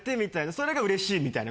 それが嬉しいみたいな。